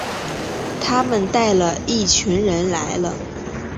他们带了一群人来了